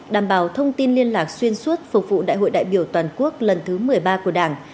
đảm bảo thông tin liên lạc xuyên suốt phục vụ đại hội đại biểu toàn quốc lần thứ một mươi ba của đảng